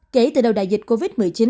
kể từ đầu đại dịch covid một mươi chín